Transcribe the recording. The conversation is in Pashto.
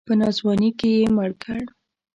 په ناځواني کې یې مړ کړ.